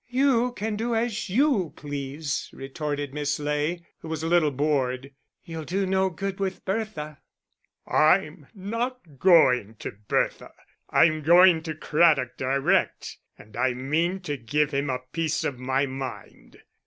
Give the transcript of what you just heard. "You can do as you please," retorted Miss Ley, who was a little bored. "You'll do no good with Bertha." "I'm not going to Bertha; I'm going to Craddock direct, and I mean to give him a piece of my mind."